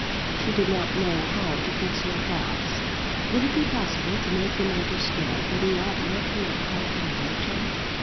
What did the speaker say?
She did not know how to fix her thoughts. Would it be possible to make him understand that he ought not to have called her Rachel?